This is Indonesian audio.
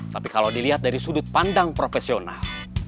tapi kalau dilihat dari sudut pandang profesional